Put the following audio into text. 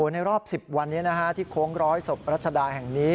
ในรอบ๑๐วันนี้ที่โค้งร้อยศพรัชดาแห่งนี้